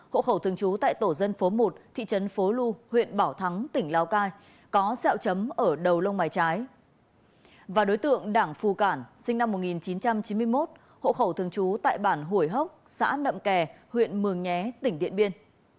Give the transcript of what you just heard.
hộ khẩu thường chú tại bản hồi hốc xã nậm kè huyện mường nhé tỉnh điện biên